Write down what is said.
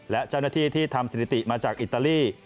และเจ้าหน้าที่ที่ทำสถิติมาจากอิตาลี